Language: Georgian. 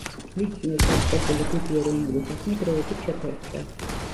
მის მიერ დაწყებული დიდი ეროვნული საქმე დროებით შეფერხდა.